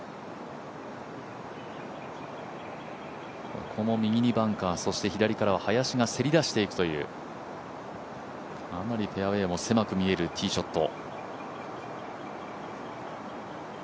ここも右にバンカー、左からは林がせり出していくというかなりフェアウエーも狭く見えるティーショット。